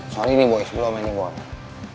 sorry nih boy sebelum ini gue amat